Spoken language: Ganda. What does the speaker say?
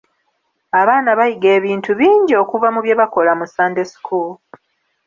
Abaana bayiga ebintu bingi okuva mu bye bakola mu Sunday school.